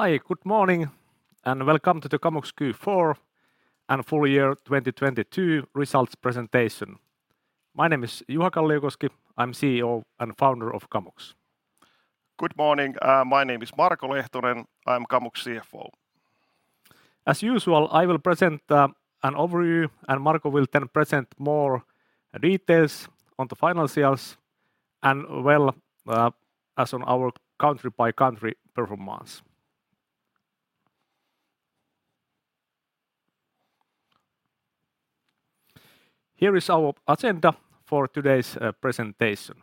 Hi, good morning, and welcome to the Kamux Q4 and full year 2022 results presentation. My name is Juha Kalliokoski. I'm CEO and Founder of Kamux. Good morning. My name is Marko Lehtonen. I'm Kamux CFO. As usual, I will present an overview, and Marko will then present more details on the financials as on our country-by-country performance. Here is our agenda for today's presentation.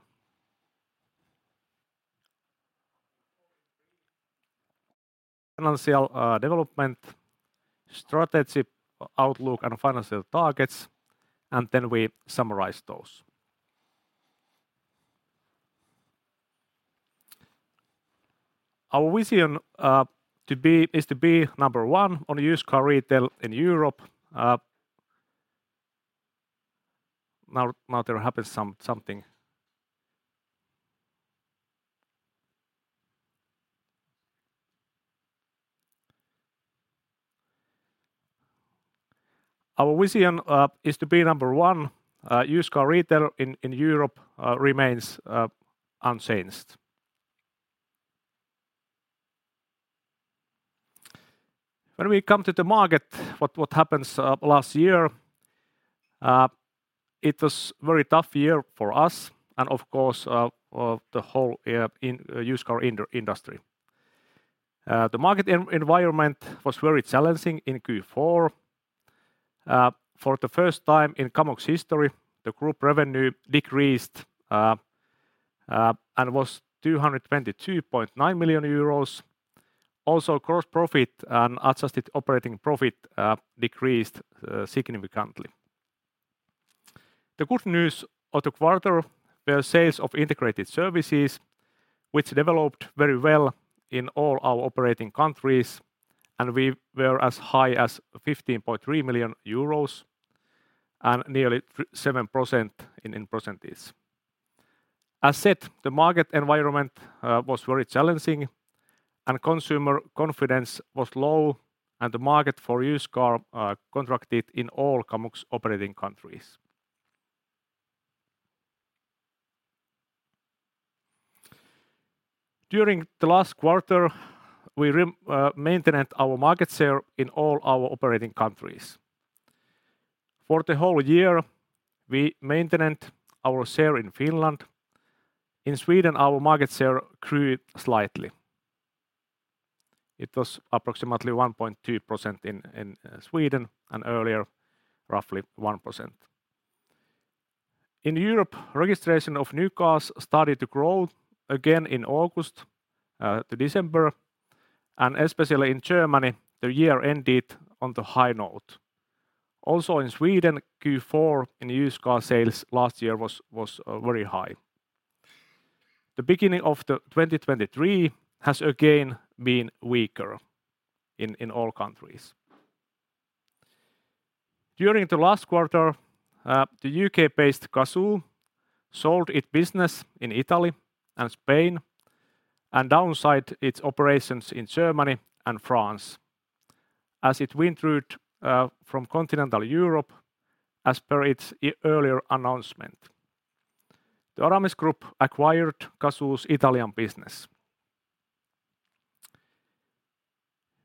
Financial development, strategy, outlook, and financial targets. Then we summarize those. Our vision is to be number one on the used car retailer in Europe. Our vision is to be number one used car retailer in Europe remains unchanged. When we come to the market, what happens last year, it was very tough year for us and of course, the whole used car industry. The market environment was very challenging in Q4. For the first time in Kamux history, the group revenue decreased and was 222.9 million euros. Gross profit and adjusted operating profit decreased significantly. The good news of the quarter were sales of integrated services, which developed very well in all our operating countries, and we were as high as 15.3 million euros and nearly 7%. As said, the market environment was very challenging, and consumer confidence was low, and the market for used car contracted in all Kamux operating countries. During the last quarter, we maintained our market share in all our operating countries. For the whole year, we maintained our share in Finland. In Sweden, our market share grew slightly. It was approximately 1.2% in Sweden and earlier, roughly 1%. In Europe, registration of new cars started to grow again in August to December, and especially in Germany, the year ended on the high note. In Sweden, Q4 in used car sales last year was very high. The beginning of 2023 has again been weaker in all countries. During the last quarter, the U.K.-based Cazoo sold its business in Italy and Spain and downsized its operations in Germany and France, as it withdrew from continental Europe as per its earlier announcement. The Aramis Group acquired Cazoo's Italian business.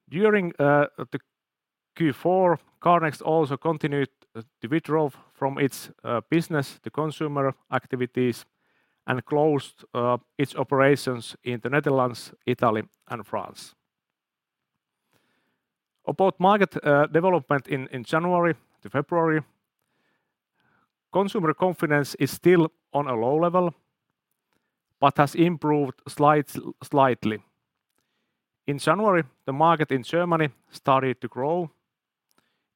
During the Q4, CarNext also continued the withdrawal from its business to consumer activities and closed its operations in the Netherlands, Italy and France. About market development in January to February, consumer confidence is still on a low level, but has improved slightly. In January, the market in Germany started to grow.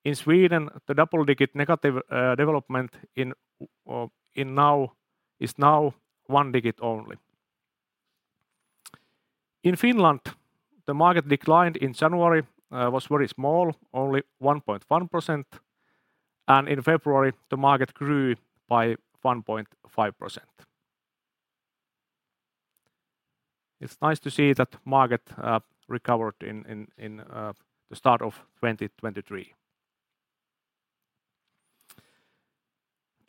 In Sweden, the double-digit negative development is now one digit only. In Finland, the market decline in January was very small, only 1.1%, and in February, the market grew by 1.5%. It's nice to see that market recovered in the start of 2023.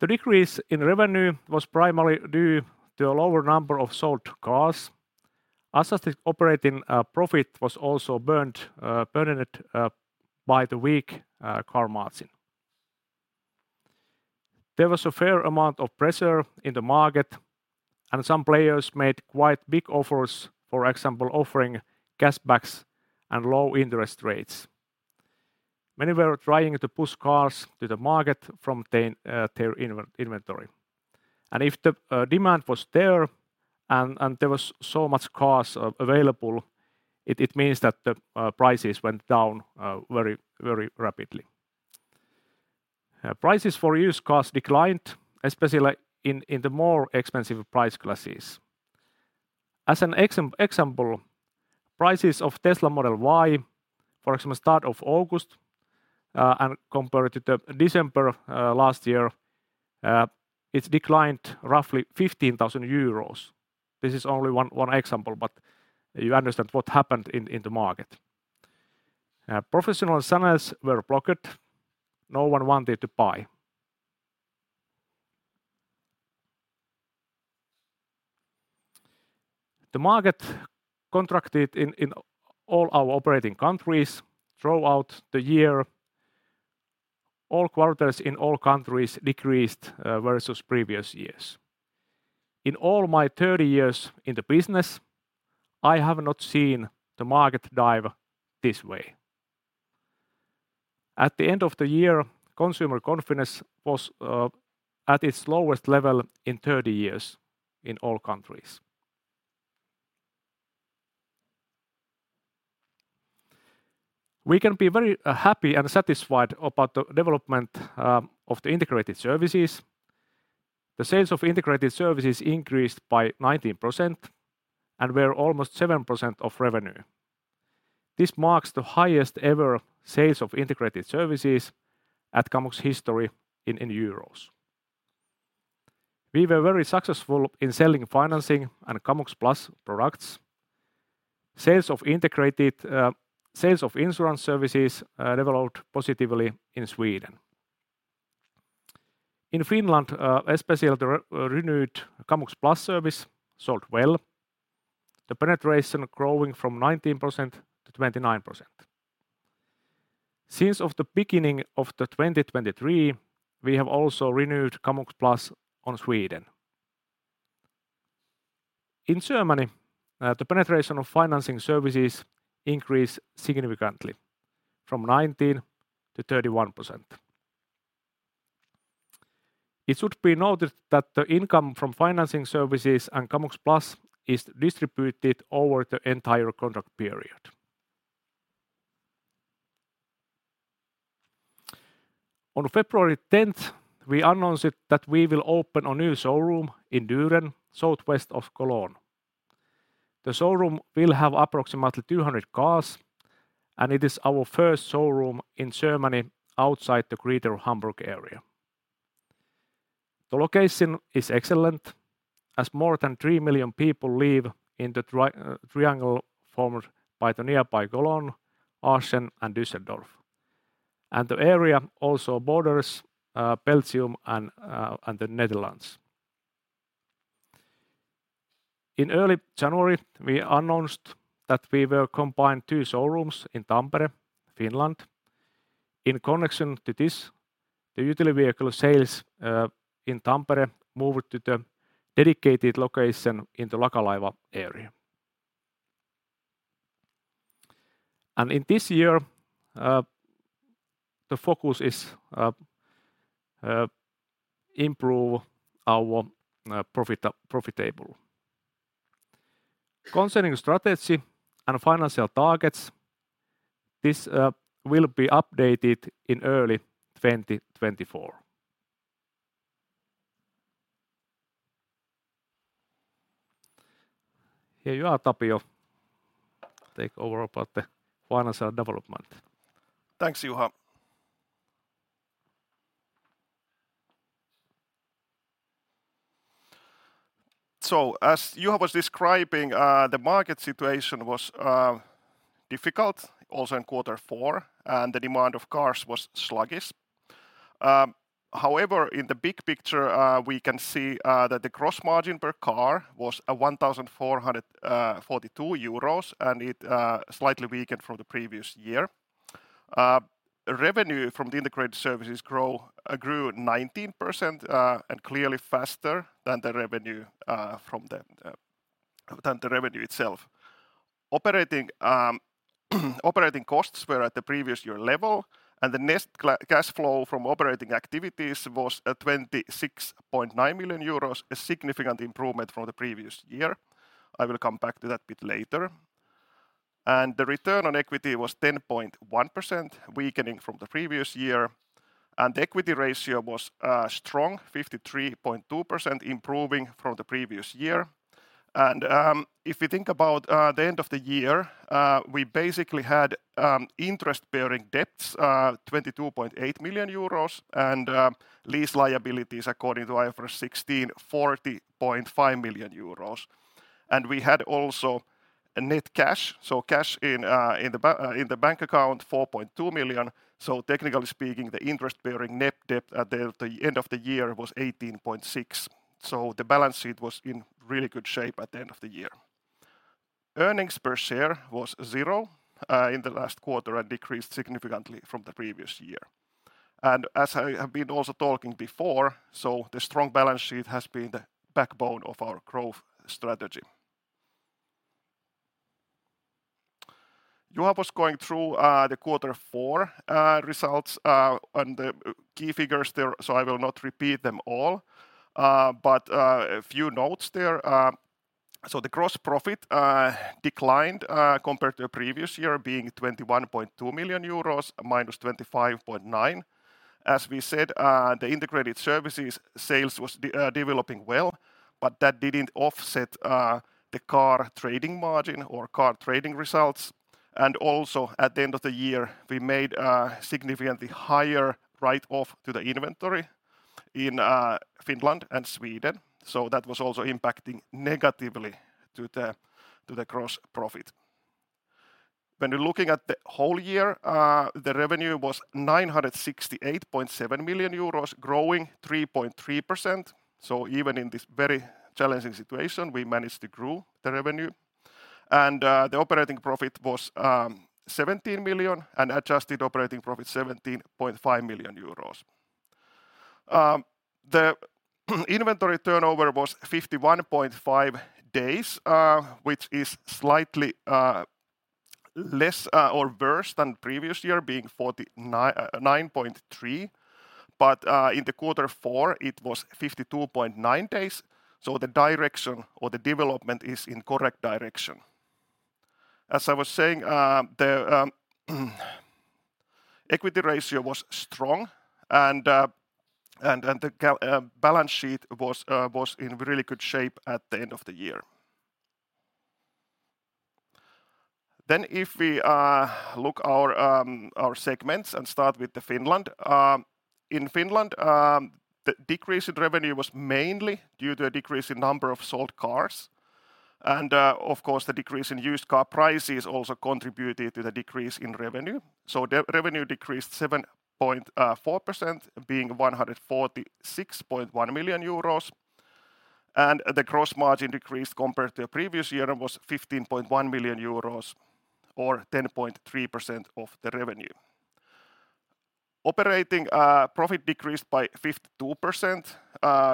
The decrease in revenue was primarily due to a lower number of sold cars. Adjusted operating profit was also burdened by the weak car margin. There was a fair amount of pressure in the market and some players made quite big offers, for example, offering cash backs and low interest rates. Many were trying to push cars to the market from their inventory. If the demand was there and there was so much cars available, it means that the prices went down very rapidly. Prices for used cars declined, especially in the more expensive price classes. As an example, prices of Tesla Model Y, for example, start of August, and compared to the December last year, it's declined roughly 15,000 euros. This is only one example, but you understand what happened in the market. Professional sellers were blocked. No one wanted to buy. The market contracted in all our operating countries throughout the year. All quarters in all countries decreased versus previous years. In all my 30 years in the business, I have not seen the market dive this way. At the end of the year, consumer confidence was at its lowest level in 30 years in all countries. We can be very happy and satisfied about the development of the integrated services. The sales of integrated services increased by 19% and were almost 7% of revenue. This marks the highest ever sales of integrated services at Kamux history in euros. We were very successful in selling financing and Kamux Plus products. Sales of integrated sales of insurance services developed positively in Sweden. In Finland, especially the renewed Kamux Plus service sold well, the penetration growing from 19%-29%. Since of the beginning of 2023, we have also renewed Kamux Plus on Sweden. In Germany, the penetration of financing services increased significantly from 19%-31%. It should be noted that the income from financing services and Kamux Plus is distributed over the entire contract period. On February 10th, we announced that we will open a new showroom in Düren, Southwest of Cologne. The showroom will have approximately 200 cars, it is our first showroom in Germany outside the Greater Hamburg area. The location is excellent, as more than three million people live in the triangle formed by the nearby Cologne, Aachen, and Düsseldorf. The area also borders Belgium and the Netherlands. In early January, we announced that we will combine two showrooms in Tampere, Finland. In connection to this, the utility vehicle sales in Tampere moved to the dedicated location in the Lakalaiva area. In this year, the focus is improve our profitable. Concerning strategy and financial targets, this will be updated in early 2024. Here you are, Marko. Take over about the financial development. Thanks, Juha. As Juha was describing, the market situation was difficult also in quarter four, and the demand of cars was sluggish. However, in the big picture, we can see that the gross margin per car was 1,442 euros and it slightly weakened from the previous year. Revenue from the integrated services grew 19%, and clearly faster than the revenue from the than the revenue itself. Operating costs were at the previous year level, the net cash flow from operating activities was 26.9 million euros, a significant improvement from the previous year. I will come back to that bit later. The return on equity was 10.1%, weakening from the previous year. The equity ratio was strong, 53.2%, improving from the previous year. If you think about the end of the year, we basically had interest-bearing debts 22.8 million euros and lease liabilities, according to IFRS 16, 40.5 million euros. We had also a net cash, so cash in in the bank account, 4.2 million. Technically speaking, the interest-bearing net debt at the end of the year was 18.6 million. The balance sheet was in really good shape at the end of the year. Earnings per share was 0 in the last quarter and decreased significantly from the previous year. As I have been also talking before, the strong balance sheet has been the backbone of our growth strategy. Juha was going through the quarter four results and the key figures there, I will not repeat them all. A few notes there. The gross profit declined compared to the previous year being 21.2 million euros, -25.9%. As we said, the integrated services sales was developing well, but that didn't offset the car trading margin or car trading results. Also at the end of the year, we made a significantly higher write-off to the inventory in Finland and Sweden. That was also impacting negatively to the gross profit. When you're looking at the whole year, the revenue was 968.7 million euros, growing 3.3%. Even in this very challenging situation, we managed to grow the revenue. The operating profit was 17 million, and Adjusted operating profit 17.5 million euros. The inventory turnover was 51.5 days, which is slightly less, or worse than previous year being 49, 9.3. In the quarter four, it was 52.9 days, so the direction or the development is in correct direction. As I was saying, the equity ratio was strong and the balance sheet was in really good shape at the end of the year. If we look our segments and start with the Finland. In Finland, the decrease in revenue was mainly due to a decrease in number of sold cars, and of course, the decrease in used car prices also contributed to the decrease in revenue. The revenue decreased 7.4% being 146.1 million euros, and the gross margin decreased compared to the previous year was 15.1 million euros or 10.3% of the revenue. Operating profit decreased by 52%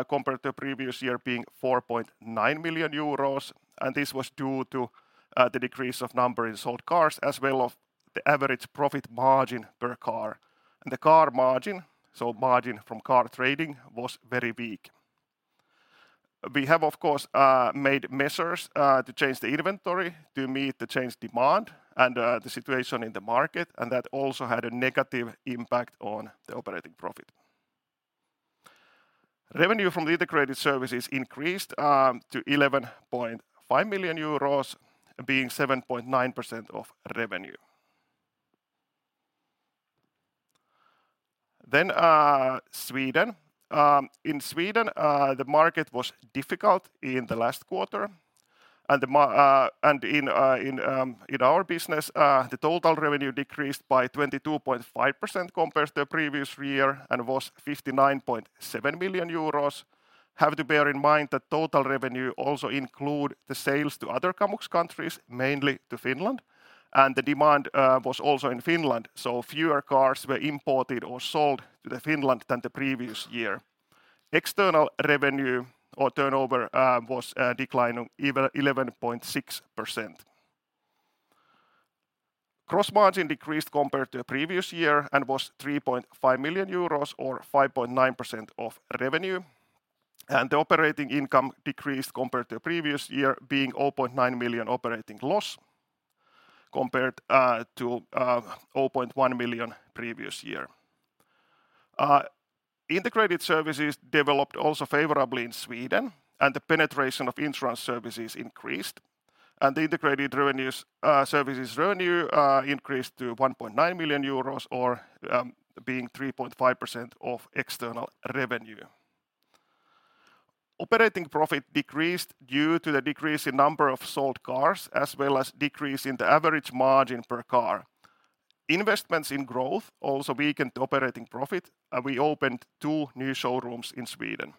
compared to the previous year being 4.9 million euros, and this was due to the decrease of number in sold cars as well as the average profit margin per car. The car margin, so margin from car trading, was very weak. We have, of course, made measures to change the inventory to meet the changed demand and the situation in the market, and that also had a negative impact on the operating profit. Revenue from the integrated services increased to 11.5 million euros, being 7.9% of revenue. Sweden. In Sweden, the market was difficult in the last quarter. In our business, the total revenue decreased by 22.5% compared to the previous year and was 59.7 million euros. Have to bear in mind that total revenue also include the sales to other Kamux countries, mainly to Finland, and the demand was also in Finland, so fewer cars were imported or sold to Finland than the previous year. External revenue or turnover declined 11.6%. Gross margin decreased compared to the previous year and was 3.5 million euros or 5.9% of revenue. The operating income decreased compared to the previous year being 0.9 million operating loss compared to 0.1 million previous year. Integrated services developed also favorably in Sweden, and the penetration of insurance services increased. The integrated revenues services revenue increased to 1.9 million euros or being 3.5% of external revenue. Operating profit decreased due to the decrease in number of sold cars as well as decrease in the average margin per car. Investments in growth also weakened operating profit, and we opened two new showrooms in Sweden.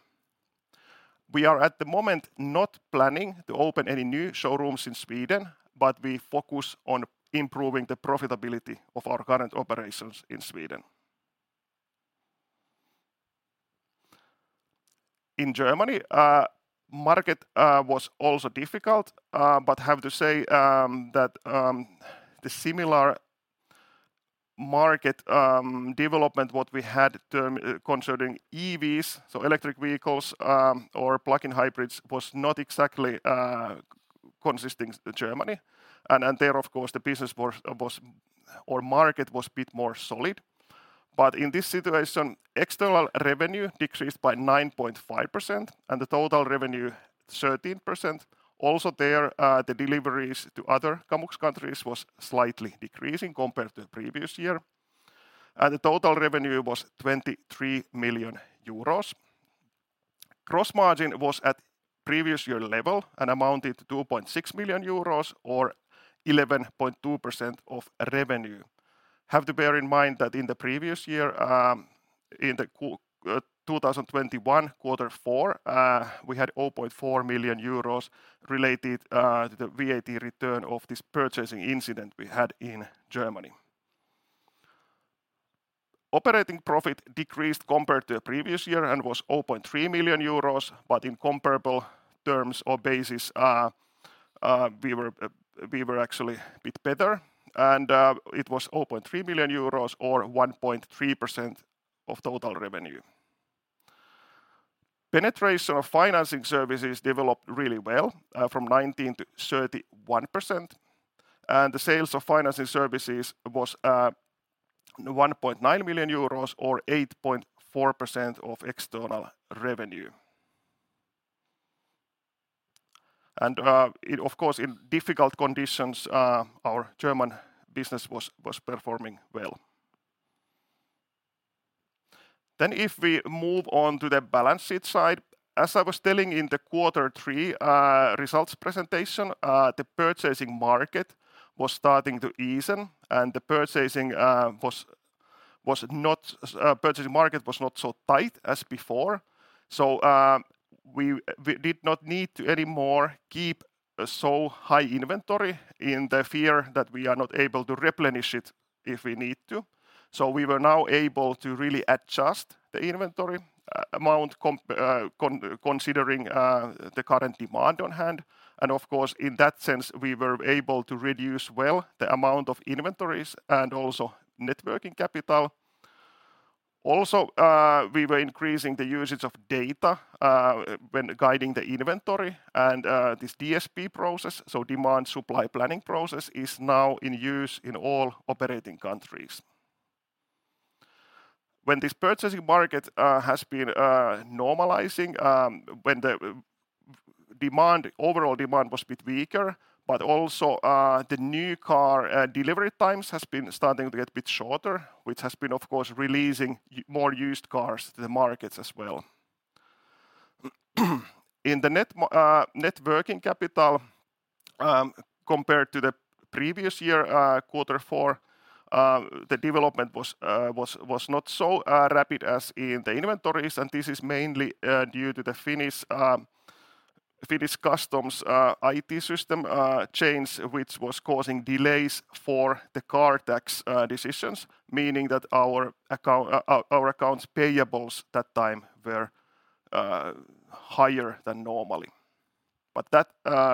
We are at the moment not planning to open any new showrooms in Sweden, but we focus on improving the profitability of our current operations in Sweden. In Germany, market was also difficult, but have to say that the similar market development what we had concerning EVs, so electric vehicles, or plug-in hybrids, was not exactly consisting Germany. There, of course, the business was or market was a bit more solid. In this situation, external revenue decreased by 9.5% and the total revenue 13%. Also there, the deliveries to other Kamux countries was slightly decreasing compared to the previous year. The total revenue was 23 million euros. Gross margin was at previous year level and amounted to 0.6 million euros or 11.2% of revenue. Have to bear in mind that in the previous year, in the 2021 quarter four, we had 0.4 million euros related to the VAT return of this purchasing incident we had in Germany. Operating profit decreased compared to the previous year and was 0.3 million euros. In comparable terms or basis, we were actually a bit better. It was 0.3 million euros or 1.3% of total revenue. Penetration of financing services developed really well, from 19%-31%, and the sales of financing services was 1.9 million euros or 8.4% of external revenue. It of course, in difficult conditions, our German business was performing well. If we move on to the balance sheet side, as I was telling in the quarter three results presentation, the purchasing market was starting to ease and the purchasing market was not so tight as before. We did not need to anymore keep so high inventory in the fear that we are not able to replenish it if we need to. We were now able to really adjust the inventory amount considering the current demand on hand. Of course, in that sense, we were able to reduce well the amount of inventories and also net working capital. Also, we were increasing the usage of data when guiding the inventory and this DSP process, so demand-supply planning process, is now in use in all operating countries. When this purchasing market has been normalizing, when the demand, overall demand was a bit weaker, but also the new car delivery times has been starting to get a bit shorter, which has been, of course, releasing more used cars to the markets as well. In the net net working capital compared to the previous year, quarter four, the development was not so rapid as in the inventories. This is mainly due to the Finnish customs IT system change, which was causing delays for the car tax decisions, meaning that our accounts payables that time were higher than normally. That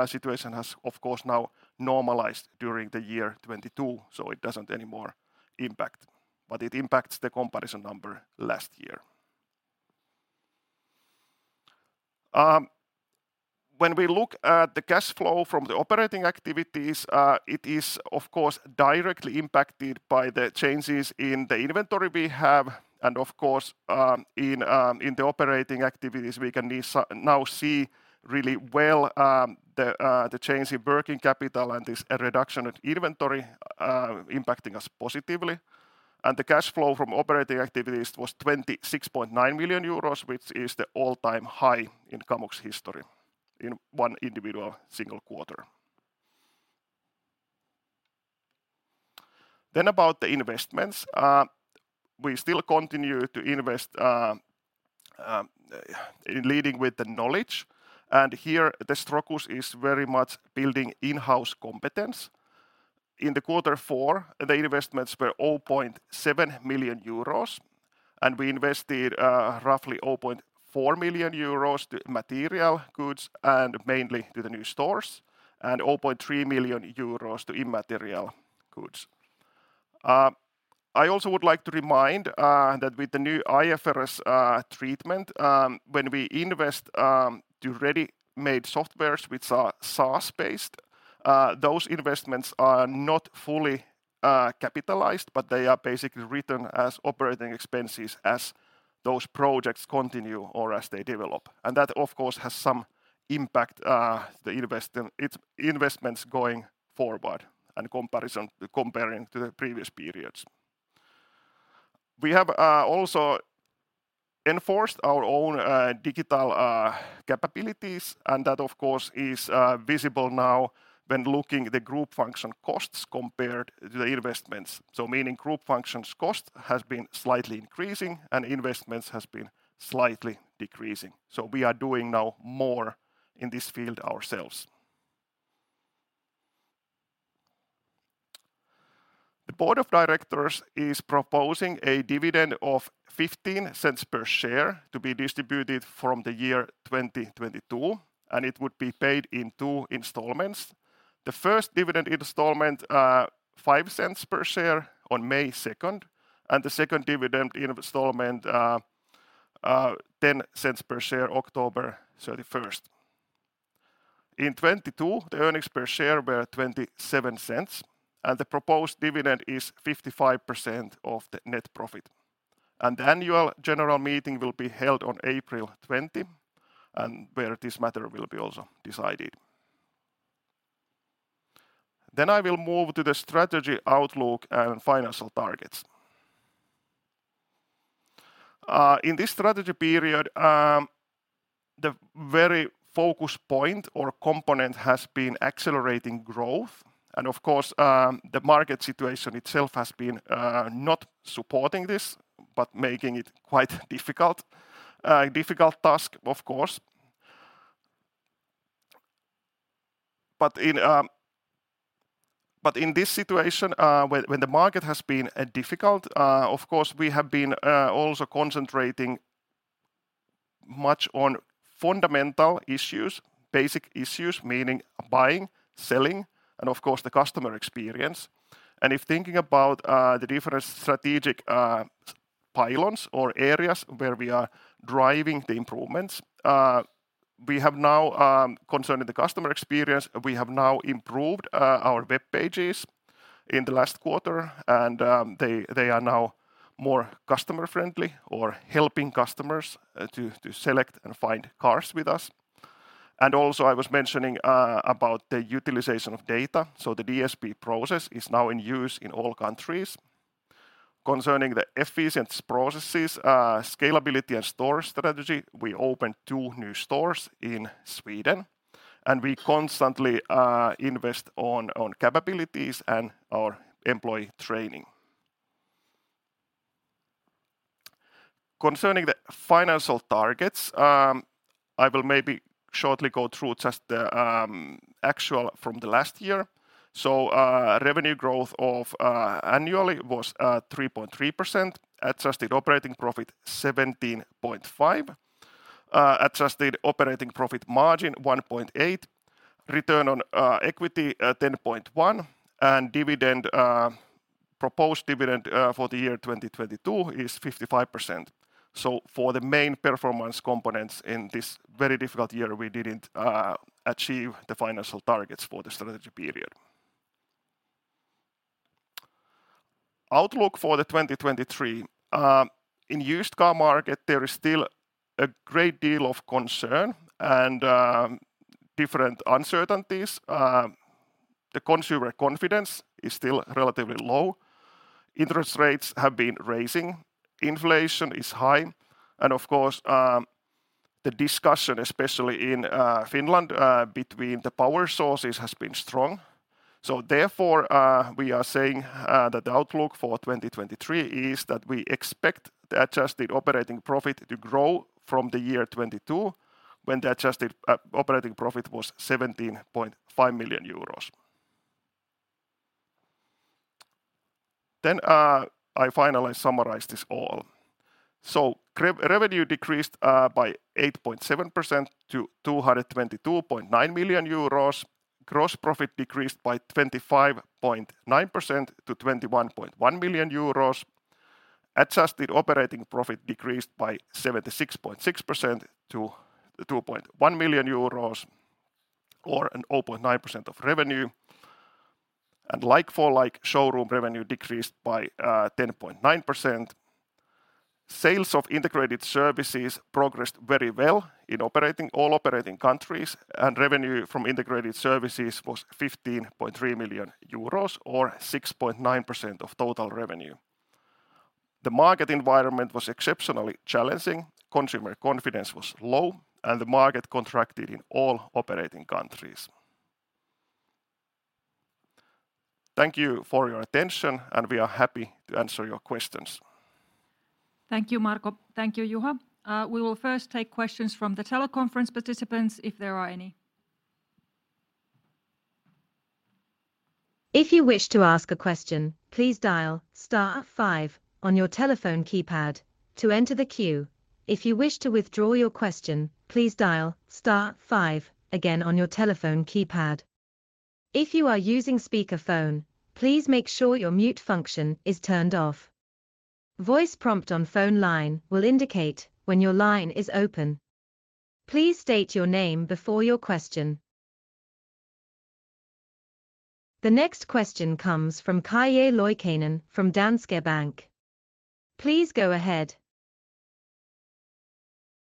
situation has of course now normalized during the year 2022, so it doesn't anymore impact. It impacts the comparison number last year. When we look at the cash flow from the operating activities, it is of course directly impacted by the changes in the inventory we have and of course, in the operating activities, we can now see really well the change in working capital and this reduction in inventory impacting us positively. The cash flow from operating activities was 26.9 million euros, which is the all-time high in Kamux history in one individual single quarter. About the investments. We still continue to invest in leading with the knowledge, and here the focus is very much building in-house competence. In Q4, the investments were 0.7 million euros, we invested roughly 0.4 million euros to material goods and mainly to the new stores, and 0.3 million euros to immaterial goods. I also would like to remind that with the new IFRS treatment, when we invest to ready-made softwares which are SaaS-based, those investments are not fully capitalized, but they are basically written as operating expenses as those projects continue or as they develop. That of course has some impact, the investments going forward and comparing to the previous periods. We have also enforced our own digital capabilities, that of course is visible now when looking the group function costs compared to the investments. Meaning group functions cost has been slightly increasing, and investments has been slightly decreasing. We are doing now more in this field ourselves. The board of directors is proposing a dividend of 0.15 per share to be distributed from the year 2022, and it would be paid in two installments. The first dividend installment, 0.05 per share on May 2nd, and the second dividend installment, 0.10 per share October 31st. In 2022, the earnings per share were 0.27, and the proposed dividend is 55% of the net profit. The annual general meeting will be held on April 20, and where this matter will be also decided. I will move to the strategy outlook and financial targets. In this strategy period, the very focus point or component has been accelerating growth. Of course, the market situation itself has been not supporting this, but making it quite difficult. Difficult task, of course. In this situation, when the market has been difficult, of course, we have been also concentrating much on Fundamental issues, basic issues, meaning buying, selling, and of course the customer experience. If thinking about the different strategic pylons or areas where we are driving the improvements, we have now, concerning the customer experience, we have now improved our web pages in the last quarter, and they are now more customer-friendly or helping customers to select and find cars with us. Also, I was mentioning about the utilization of data, so the DSP process is now in use in all countries. Concerning the efficient processes, scalability and store strategy, we opened 2 new stores in Sweden, we constantly invest on capabilities and our employee training. Concerning the financial targets, I will maybe shortly go through just the actual from the last year. Revenue growth of annually was 3.3%. Adjusted operating profit, 17.5 million. Adjusted operating profit margin, 1.8%. Return on equity, 10.1%. Dividend, proposed dividend for the year 2022 is 55%. For the main performance components in this very difficult year, we didn't achieve the financial targets for the strategy period. Outlook for the 2023. In used car market there is still a great deal of concern and different uncertainties. The consumer confidence is still relatively low. Interest rates have been raising. Inflation is high. Of course, the discussion, especially in Finland, between the power sources has been strong. Therefore, we are saying that the outlook for 2023 is that we expect the Adjusted operating profit to grow from the year 2022 when the Adjusted operating profit was 17.5 million euros. I finally summarize this all. Revenue decreased by 8.7% to 222.9 million euros. Gross profit decreased by 25.9% to 21.1 million euros. Adjusted operating profit decreased by 76.6% to 2.1 million euros or an 0.9% of revenue. Like-for-like showroom revenue decreased by 10.9%. Sales of integrated services progressed very well in all operating countries, and revenue from integrated services was 15.3 million euros or 6.9% of total revenue. The market environment was exceptionally challenging, consumer confidence was low, and the market contracted in all operating countries. Thank you for your attention, and we are happy to answer your questions. Thank you, Marko. Thank you, Juha. We will first take questions from the teleconference participants, if there are any. If you wish to ask a question, please dial star five on your telephone keypad to enter the queue. If you wish to withdraw your question, please dial star five again on your telephone keypad. If you are using speakerphone, please make sure your mute function is turned off. Voice prompt on phone line will indicate when your line is open. Please state your name before your question. The next question comes from Calle Loikkanen from Danske Bank. Please go ahead.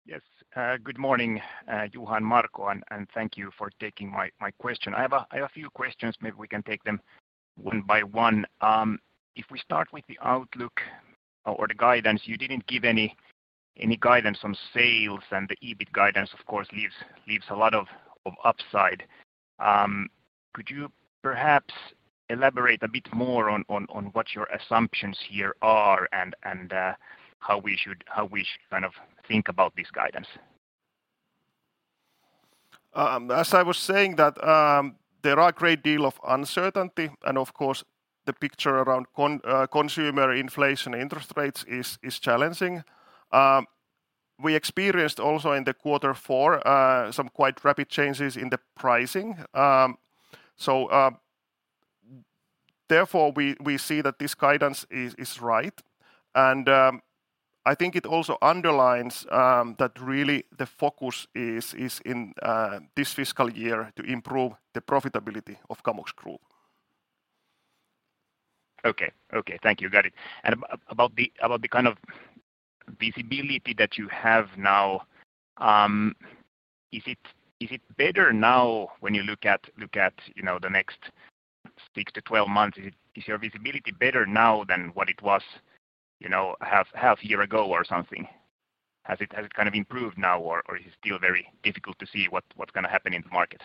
Yes. Good morning, Juha and Marko, and thank you for taking my question. I have a few questions. Maybe we can take them one by one. If we start with the outlook or the guidance, you didn't give any guidance on sales, and the EBIT guidance of course leaves a lot of upside. Could you perhaps elaborate a bit more on what your assumptions here are and, how we kind of think about this guidance? As I was saying that, there are a great deal of uncertainty and of course the picture around consumer inflation interest rates is challenging. We experienced also in the quarter four, some quite rapid changes in the pricing. Therefore we see that this guidance is right. I think it also underlines that really the focus is in this fiscal year to improve the profitability of Kamux Group. Okay. Okay. Thank you. Got it. About the, about the kind of visibility that you have now, is it better now when you look at, you know, the next 6 months-12 months? Is your visibility better now than what it was, you know, half year ago or something? Has it kind of improved now or is it still very difficult to see what's gonna happen in the market?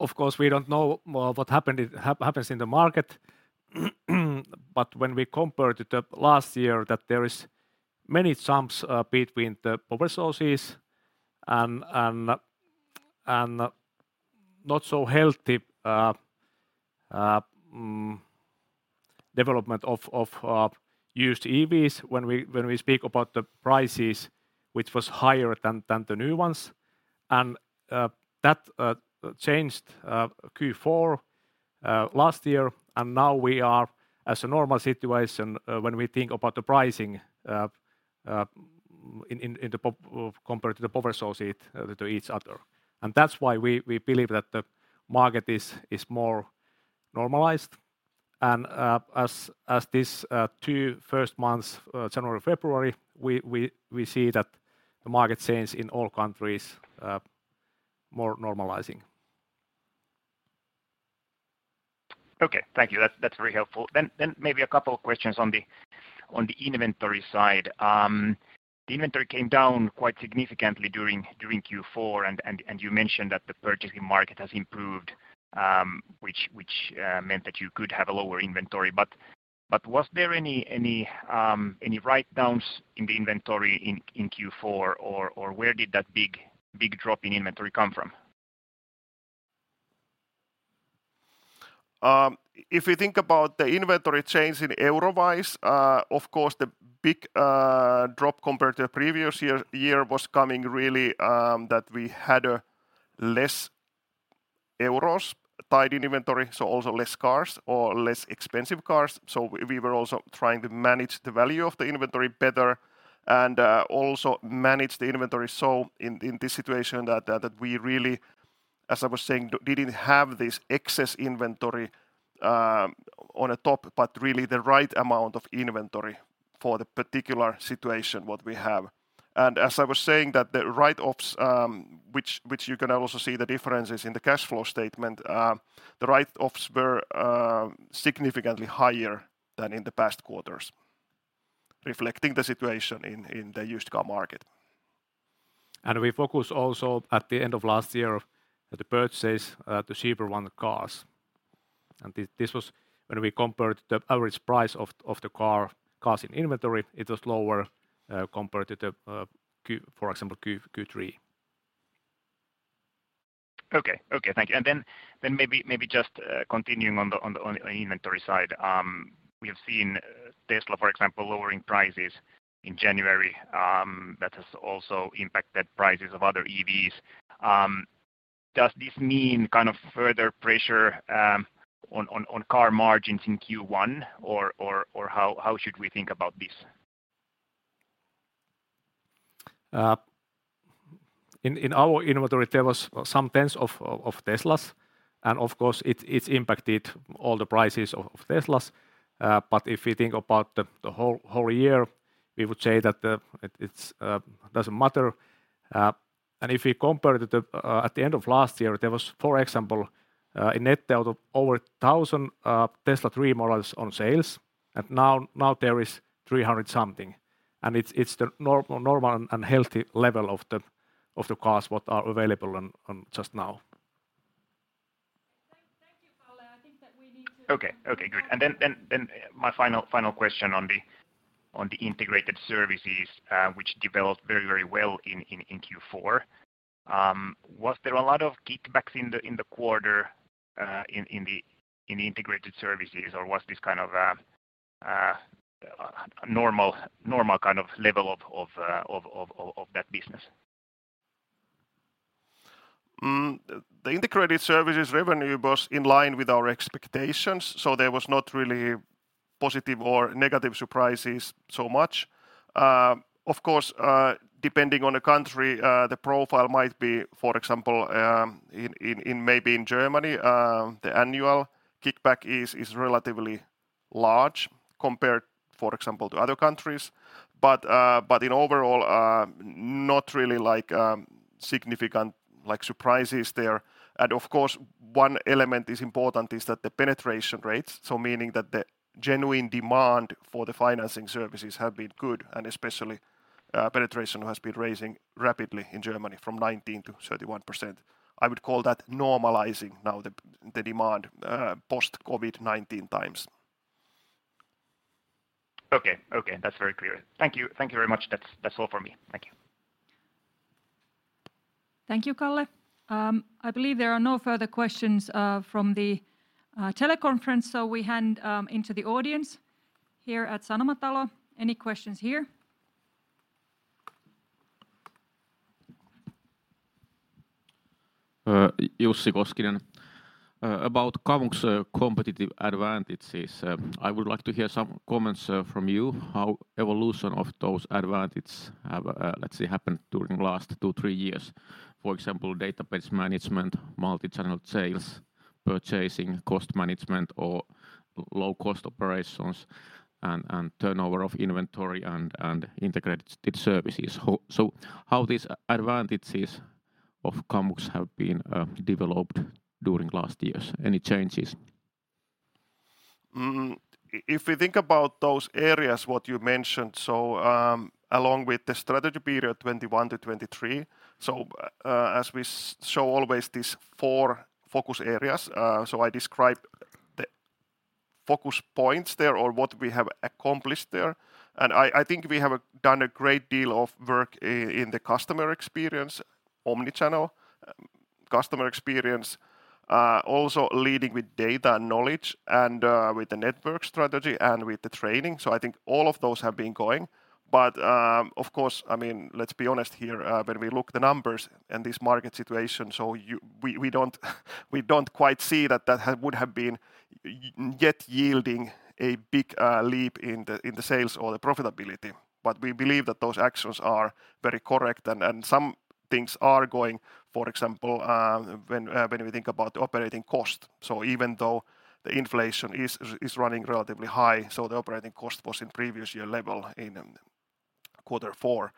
Of course, we don't know, well, what happens in the market. When we compare to the last year that there is many jumps between the power sources and not so healthy development of used EVs when we speak about the prices which was higher than the new ones. That changed Q4 last year, and now we are at a normal situation when we think about the pricing in the compared to the power source each, to each other. That's why we believe that the market is more normalized. As this two first months, January, February, we see that the market change in all countries more normalizing. Okay. Thank you. That's very helpful. Maybe a couple of questions on the inventory side. The inventory came down quite significantly during Q4, and you mentioned that the purchasing market has improved, which meant that you could have a lower inventory. Was there any write-downs in the inventory in Q4, or where did that big drop in inventory come from? If you think about the inventory change in euro-wise, of course, the big drop compared to previous year was coming really that we had less euros tied in inventory, so also less cars or less expensive cars. We were also trying to manage the value of the inventory better and also manage the inventory. In this situation that we really, as I was saying, didn't have this excess inventory on the top, but really the right amount of inventory for the particular situation what we have. As I was saying, that the write-offs, which you can now also see the differences in the cash flow statement, the write-offs were significantly higher than in the past quarters, reflecting the situation in the used car market. We focus also at the end of last year the purchase, the cheaper one cars. This was when we compared the average price of the car, cars in inventory, it was lower compared to the, for example, Q3. Okay. Okay, thank you. Then maybe just continuing on the inventory side, we have seen Tesla, for example, lowering prices in January, that has also impacted prices of other EVs. Does this mean kind of further pressure on car margins in Q1 or how should we think about this? In our inventory there was some tens of Teslas. Of course, it's impacted all the prices of Teslas. If you think about the whole year, we would say that doesn't matter. If you compare it to the end of last year, there was, for example, in net there were over 1,000 Tesla 3 models on sales. Now there is 300 something. It's the normal and healthy level of the cars what are available on just now. Okay. Okay, good. Then my final question on the integrated services, which developed very, very well in Q4. Was there a lot of kickbacks in the quarter in the integrated services, or was this kind of a normal kind of level of that business? The Integrated Services revenue was in line with our expectations, so there was not really positive or negative surprises so much. Of course, depending on the country, the profile might be, for example, in maybe in Germany, the annual kickback is relatively large compared, for example, to other countries. In overall, not really like significant surprises there. Of course, one element is important is that the penetration rates, so meaning that the genuine demand for the financing services have been good, and especially, penetration has been raising rapidly in Germany from 19% to 31%. I would call that normalizing now the demand post-COVID-19 times. Okay. Okay, that's very clear. Thank you. Thank you very much. That's all from me. Thank you. Thank you, Calle. I believe there are no further questions from the teleconference. We hand into the audience here at Sanomatalo. Any questions here? Jussi Pullinen. About Kamux competitive advantages, I would like to hear some comments from you, how evolution of those advantage have, let's say, happened during last 2 years-3 years. For example, database management, multi-channel sales, purchasing, cost management or low cost operations and turnover of inventory and integrated services. How these advantages of Kamux have been developed during last years? Any changes? If we think about those areas, what you mentioned, along with the strategy period 2021-2023, as we show always these four focus areas, I describe the focus points there or what we have accomplished there. I think we have done a great deal of work in the customer experience, omni-channel customer experience, also leading with data and knowledge and with the network strategy and with the training. I think all of those have been going. Of course, I mean, let's be honest here, when we look the numbers and this market situation, We don't quite see that that would have been yet yielding a big leap in the sales or the profitability. We believe that those actions are very correct and some things are going, for example, when we think about operating cost. Even though the inflation is running relatively high, the operating cost was in previous year level in quarter four.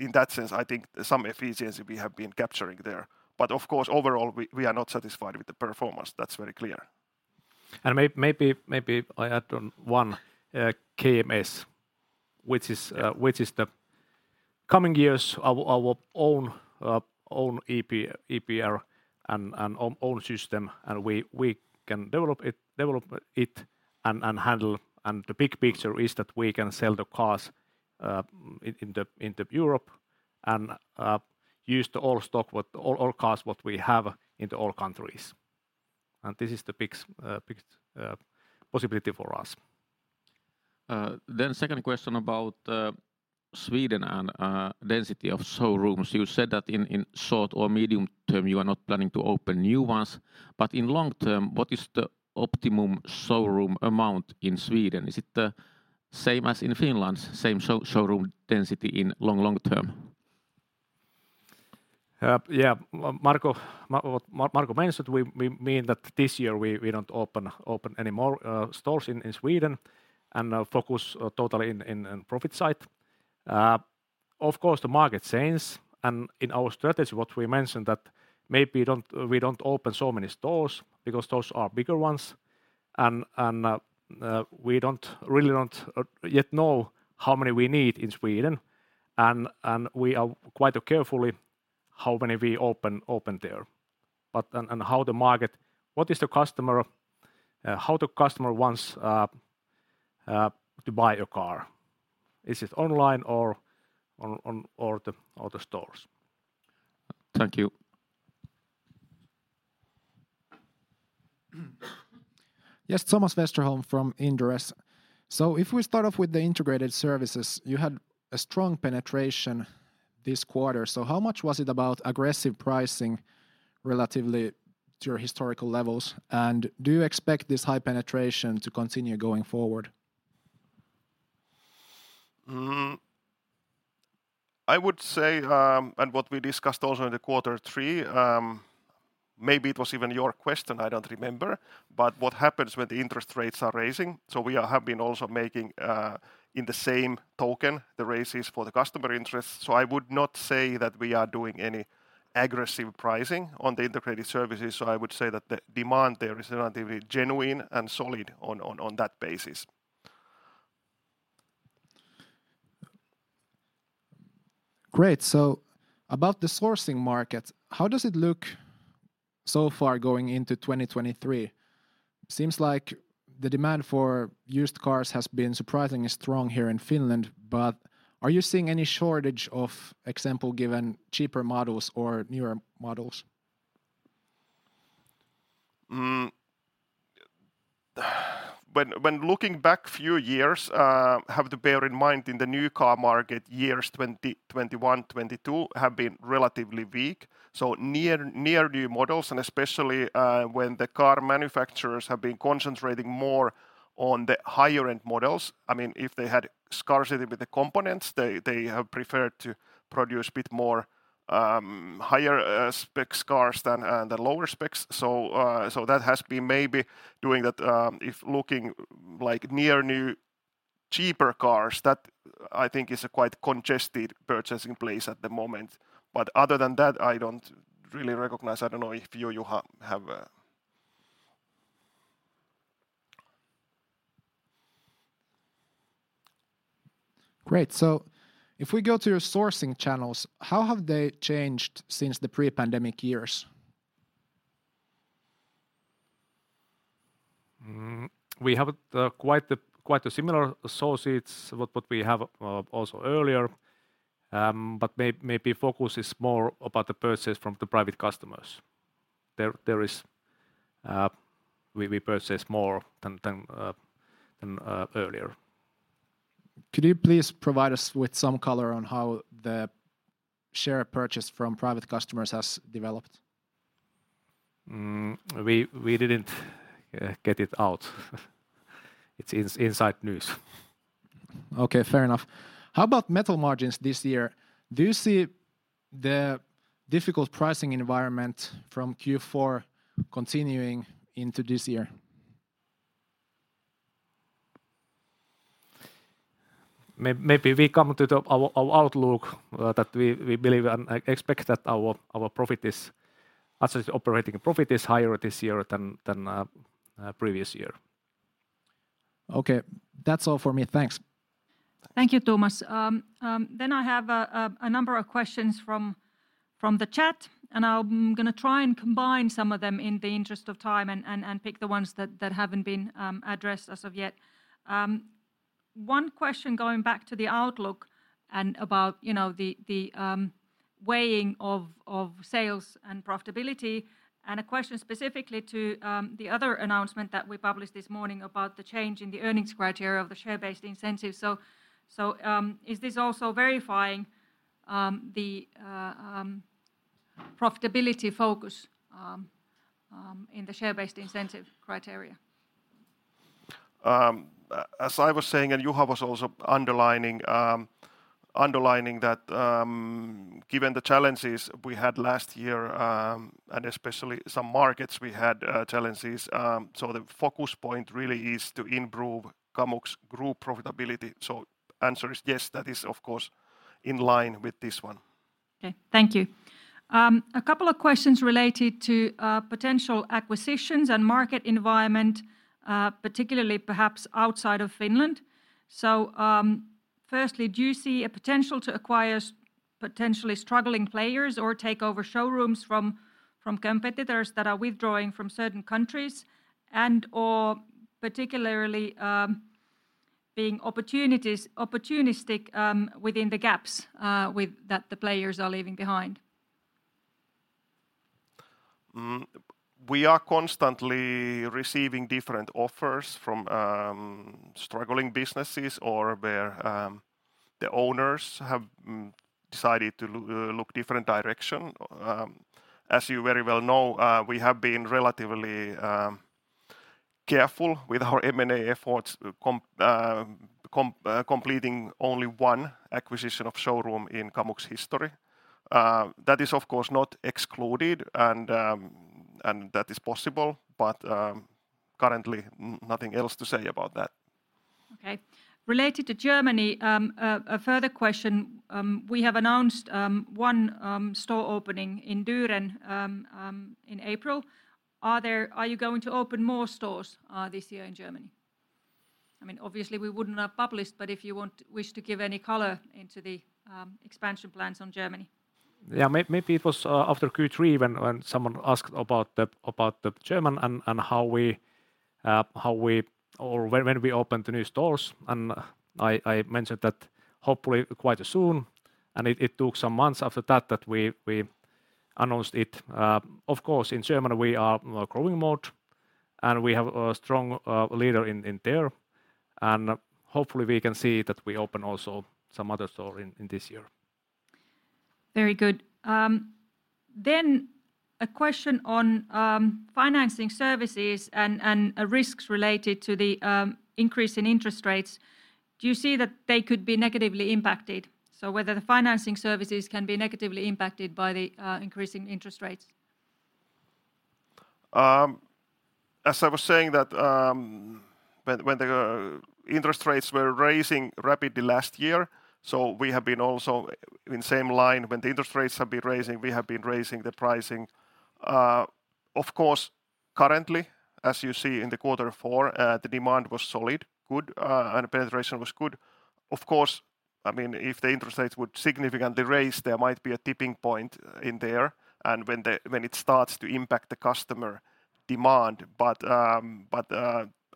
In that sense, I think some efficiency we have been capturing there. Of course, overall we are not satisfied with the performance. That's very clear. Maybe I add on one KMS, which is, which is the coming years our own ERP and own system and we can develop it and handle. The big picture is that we can sell the cars in the Europe and use the old stock, old cars what we have into all countries. This is the big possibility for us. Second question about Sweden and density of showrooms. You said that in short or medium term, you are not planning to open new ones, but in long term, what is the optimum showroom amount in Sweden? Is it the same as in Finland? Same showroom density in long term? Yeah. Well, Marko, what Marko mentioned, we mean that this year we don't open any more stores in Sweden and focus totally in profit side. Of course, the market changes, and in our strategy what we mentioned that maybe we don't open so many stores because those are bigger ones and really don't yet know how many we need in Sweden and we are quite carefully how many we open there. How the market, what is the customer, how the customer wants to buy a car? Is it online or on or the stores? Thank you. Yes. Thomas Westerholm from Inderes. If we start off with the integrated services, you had a strong penetration this quarter. How much was it about aggressive pricing relatively to your historical levels, and do you expect this high penetration to continue going forward? I would say, what we discussed also in the quarter three, maybe it was even your question, I don't remember, what happens when the interest rates are raising, we have been also making in the same token, the raises for the customer interest. I would not say that we are doing any aggressive pricing on the integrated services. I would say that the demand there is relatively genuine and solid on that basis. Great. About the sourcing market, how does it look so far going into 2023? Seems like the demand for used cars has been surprisingly strong here in Finland, are you seeing any shortage of, example given, cheaper models or newer models? When looking back few years, have to bear in mind in the new car market, years 2021, 2022 have been relatively weak, so near new models and especially, when the car manufacturers have been concentrating more on the higher-end models. I mean, if they had scarcity with the components, they have preferred to produce a bit more higher spec cars than the lower specs. That has been maybe doing that, if looking, like, near new cheaper cars, that, I think, is a quite congested purchasing place at the moment. Other than that, I don't really recognize. I don't know if you, Juha, have? Great. If we go to your sourcing channels, how have they changed since the pre-pandemic years? We have quite a similar associates what we have also earlier. Maybe focus is more about the purchase from the private customers. There is we purchase more than earlier. Could you please provide us with some color on how the share purchase from private customers has developed? We didn't get it out. It's inside news. Okay. Fair enough. How about metal margins this year? Do you see the difficult pricing environment from Q4 continuing into this year? Maybe we come to the our outlook, that we believe and expect that our profit is actually, the operating profit is higher this year than previous year. Okay. That's all for me. Thanks. Thanks. Thank you, Thomas. I have a number of questions from the chat, and I'm gonna try and combine some of them in the interest of time and pick the ones that haven't been addressed as of yet. One question going back to the outlook and about, you know, the weighing of sales and profitability, and a question specifically to the other announcement that we published this morning about the change in the earnings criteria of the share-based incentives. Is this also verifying the profitability focus in the share-based incentive criteria? As I was saying, Juha was also underlining that, given the challenges we had last year, especially some markets we had, challenges, the focus point really is to improve Kamux Group profitability. Answer is yes, that is, of course, in line with this one. Okay. Thank you. A couple of questions related to potential acquisitions and market environment, particularly perhaps outside of Finland. Firstly, do you see a potential to acquire potentially struggling players or take over showrooms from competitors that are withdrawing from certain countries and/or particularly opportunistic within the gaps that the players are leaving behind? We are constantly receiving different offers from struggling businesses or where the owners have decided to look different direction. As you very well know, we have been relatively careful with our M&A efforts completing only one acquisition of showroom in Kamux history. That is, of course, not excluded and that is possible, but currently nothing else to say about that. Okay. Related to Germany, a further question. We have announced one store opening in Düren in April. Are you going to open more stores this year in Germany? I mean, obviously we wouldn't have published, but if you wish to give any color into the expansion plans on Germany. Maybe it was after Q3 when someone asked about the German and how we or when we open the new stores, and I mentioned that hopefully quite soon, and it took some months after that we announced it. Of course, in Germany we are in a growing mode, and we have a strong leader in there, and hopefully we can see that we open also some other store in this year. Very good. A question on financing services and risks related to the increase in interest rates. Do you see that they could be negatively impacted, so whether the financing services can be negatively impacted by the increasing interest rates? As I was saying that, when the interest rates were raising rapidly last year, we have been also in same line. When the interest rates have been raising, we have been raising the pricing. Of course, currently, as you see in the quarter four, the demand was solid, good, and penetration was good. Of course, I mean, if the interest rates would significantly raise, there might be a tipping point in there and when it starts to impact the customer demand.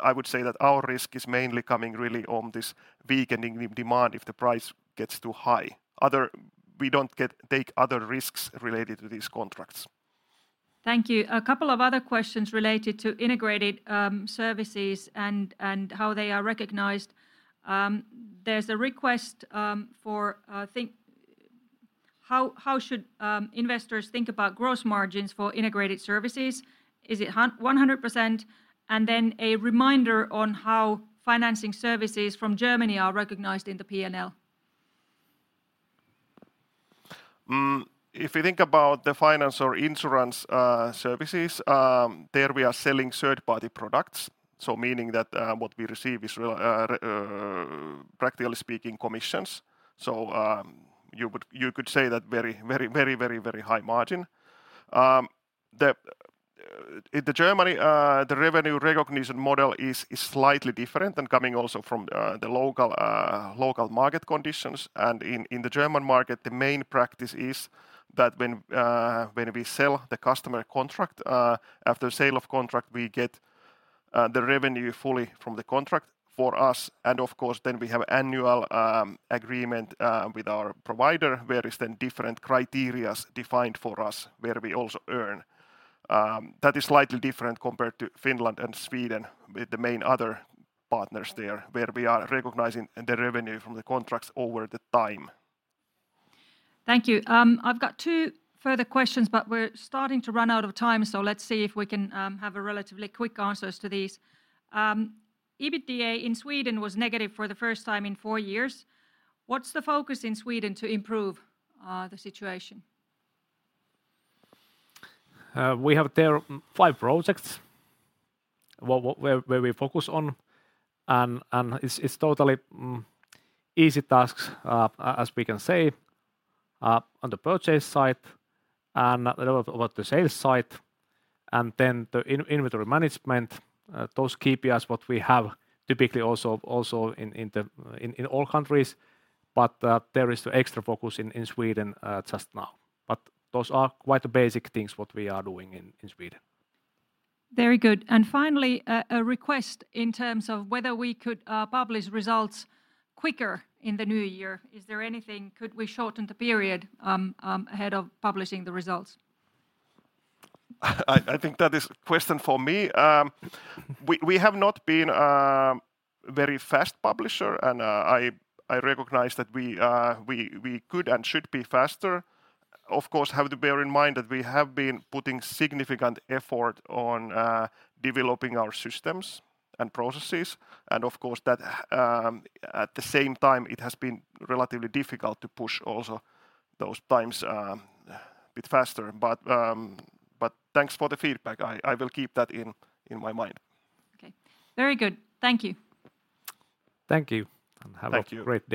I would say that our risk is mainly coming really on this weakening demand if the price gets too high. Other, we don't take other risks related to these contracts. Thank you. A couple of other questions related to integrated services and how they are recognized. There's a request for how should investors think about gross margins for integrated services? Is it 100%? A reminder on how financing services from Germany are recognized in the P&L. If you think about the finance or insurance services, there we are selling third-party products, meaning that what we receive is practically speaking, commissions. You could say that very high margin. In the Germany, the revenue recognition model is slightly different and coming also from the local market conditions. In the German market, the main practice is that when we sell the customer a contract, after sale of contract, we get the revenue fully from the contract for us and of course then we have annual agreement with our provider where is then different criteria defined for us where we also earn. That is slightly different compared to Finland and Sweden with the main other partners there, where we are recognizing the revenue from the contracts over the time. Thank you. I've got two further questions. We're starting to run out of time. Let's see if we can have a relatively quick answers to these. EBITDA in Sweden was negative for the first time in four years. What's the focus in Sweden to improve the situation? We have there five projects where we focus on and it's totally easy tasks as we can say on the purchase side and a little about the sales side and then the in-inventory management. Those KPIs what we have typically also in all countries, but there is the extra focus in Sweden just now. Those are quite basic things what we are doing in Sweden. Very good. Finally, a request in terms of whether we could publish results quicker in the new year. Is there anything? Could we shorten the period ahead of publishing the results? I think that is question for me. We have not been a very fast publisher, and I recognize that we could and should be faster. Of course, have to bear in mind that we have been putting significant effort on developing our systems and processes and of course that, at the same time it has been relatively difficult to push also those times a bit faster. Thanks for the feedback. I will keep that in my mind. Okay. Very good. Thank you. Thank you. Thank you. Have a great day.